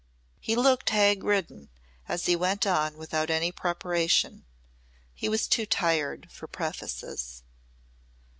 He looked hag ridden as he went on without any preparation. He was too tired for prefaces.